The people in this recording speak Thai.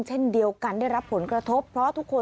เช่นเดียวกันได้รับผลกระทบเพราะทุกคน